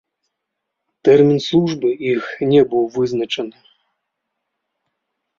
Тэрмін службы іх не быў вызначаны.